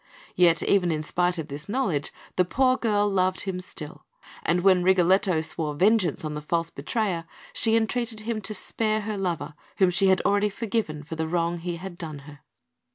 Yet, even in spite of this knowledge, the poor girl loved him still; and when Rigoletto swore vengeance on the false betrayer, she entreated him to spare her lover, whom she had already forgiven for the wrong he had done her.